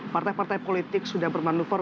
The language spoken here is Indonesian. partai partai politik sudah bermanuver